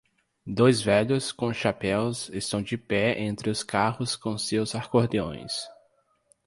Dois velhos com chapéus estão de pé entre os carros com seus acordeões.